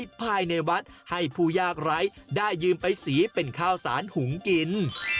ภายในวัดให้ผู้ยากไร้ได้ยืมไปสีเป็นข้าวสารหุงกิน